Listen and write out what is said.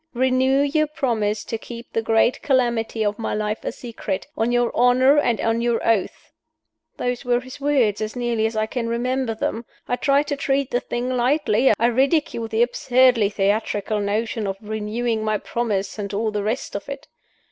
Renew your promise to keep the great calamity of my life a secret, on your honor and on your oath. 'Those were his words, as nearly as I can remember them. I tried to treat the thing lightly; I ridiculed the absurdly theatrical notion of 'renewing my promise,' and all the rest of it.